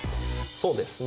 そうですね。